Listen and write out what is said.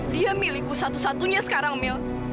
bibi aku mau disini